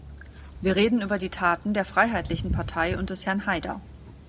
Wir reden über die Taten der Freiheitlichen Partei und des Herrn Haider.